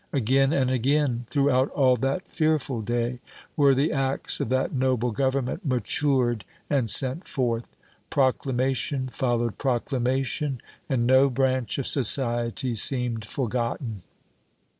Again and again, throughout all that fearful day, were the acts of that noble Government matured and sent forth. Proclamation followed proclamation, and no branch of society seemed forgotten.